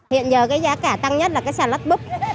hiện giờ giá cả tăng nhất là xà lách búp